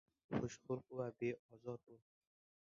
— Xushxulq va beozor bo‘l.